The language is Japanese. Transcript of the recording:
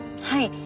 はい。